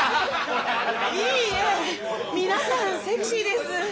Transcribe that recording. いいえ皆さんセクシーです。